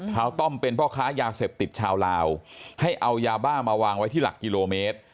วต้อมเป็นพ่อค้ายาเสพติดชาวลาวให้เอายาบ้ามาวางไว้ที่หลักกิโลเมตร